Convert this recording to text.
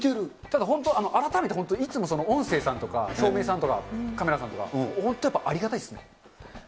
改めていつも音声さんとか照明さんとか、カメラさんとか、本当ありがたいですね。